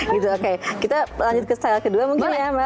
gitu oke kita lanjut ke style kedua mungkin ya mbak